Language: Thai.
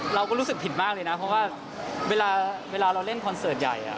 เราก็รู้สึกผิดมากเลยนะเพราะว่าเวลาเราเล่นคอนเสิร์ตใหญ่